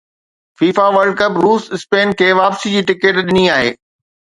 FIFA World Cup روس Spain کي واپسي جي ٽڪيٽ ڏني آهي